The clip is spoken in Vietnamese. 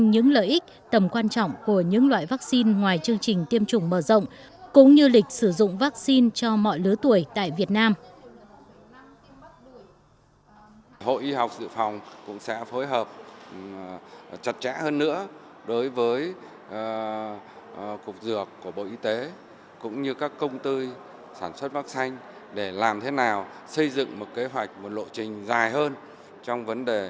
hội y học dự phòng việt nam đã đưa ra những thông tin liên quan